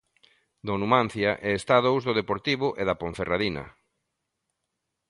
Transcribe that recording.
Do Numancia, e está a dous do Deportivo e da Ponferradina.